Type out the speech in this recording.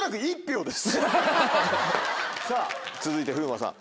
さぁ続いて風磨さん。